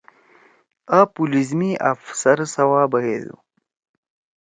آ پولیس می آفسر سوابیَدُو۔